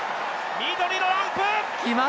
緑のランプ！